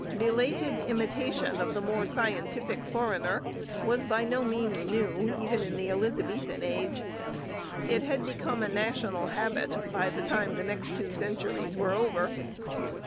Belated imitation of the more scientific foreigner was by no means new, even in the Elizabethan age. It had become a national habit by the time the next two centuries were over.